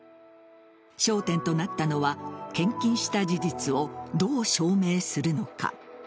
焦点となったのは献金した事実をどう証明するのか。